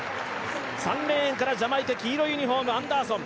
３レーンからジャマイカ、黄色いユニフォーム、アンダーソン。